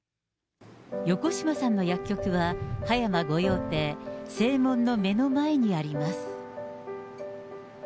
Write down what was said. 横島さんの薬局は、葉山御用邸正門の目の前にあります。